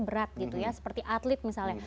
berat gitu ya seperti atlet misalnya